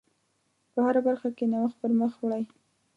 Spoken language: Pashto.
په هره برخه کې نوښت پر مخ وړئ.